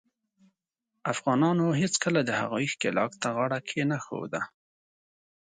افغانانو هیڅکله د هغوي ښکیلاک ته غاړه کښېنښوده.